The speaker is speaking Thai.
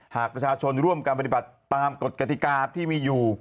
หากประชาชนร่วมการปฏิบัติตามกฎกติกาที่มีอยู่